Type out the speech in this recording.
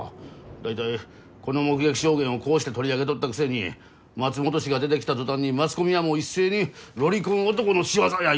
大体この目撃証言をこうして取り上げとったくせに松本氏が出てきた途端にマスコミはもう一斉にロリコン男の仕業や！